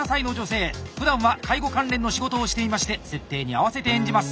ふだんは介護関連の仕事をしていまして設定に合わせて演じます。